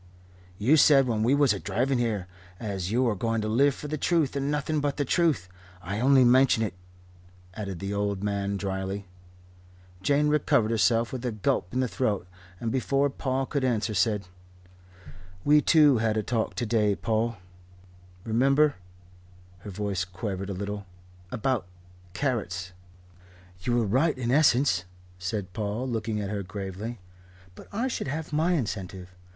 "You said, when we was a driving here, as you are going to live for the Truth and nothing but the Truth. I only mention it," added the old man drily. Jane recovered herself, with a gulp in the throat, and before Paul could answer said: "We too had a talk to day, Paul. Remember," her voice quavered a little "about carrots." "You were right in essence," said Paul, looking at her gravely. "But I should have my incentive.